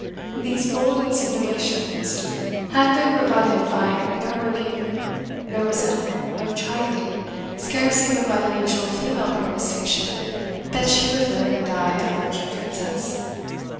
These bold insinuations have been rebutted by no rebuke, no resentment, no chiding, scarce even by the usual female protestation that she would live and die a virgin princess.